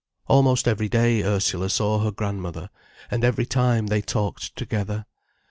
Almost every day, Ursula saw her grandmother, and every time, they talked together.